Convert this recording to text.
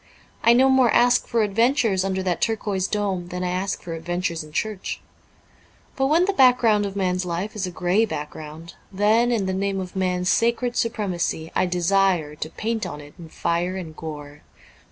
I no more ask for adventures under that turquoise dome than I ask for adventures in church. But when the back ground of man's life is a grey background, then, in the name of man's sacred supremacy, I desire to paint on it in fire and gore.